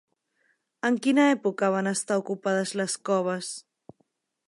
En quina època van estar ocupades les coves?